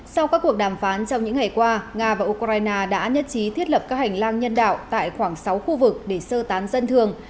sau các cuộc đàm phán trong những ngày qua nga và ukraine đã nhất trí thiết lập các hành lang nhân đạo tại khoảng sáu khu vực để sơ tán dân thường